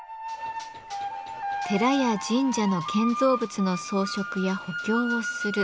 寺や神社の建造物の装飾や補強をする錺金具。